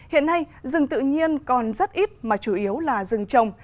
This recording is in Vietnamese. hiện nay rừng tự nhiên còn rất ít mà chủ yếu là rừng trồng